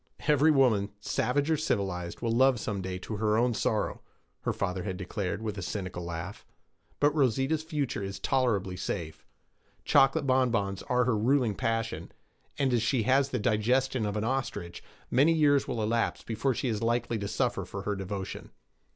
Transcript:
'Every woman, savage or civilized, will love some day to her own sorrow,' her father had declared, with a cynical laugh. 'But Rosita's future is tolerably safe. Chocolate bonbons are her ruling passion, and as she has the digestion of an ostrich, many years will elapse before she is likely to suffer for her devotion!'